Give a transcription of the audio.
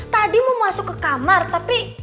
tadi mau masuk ke kamar tapi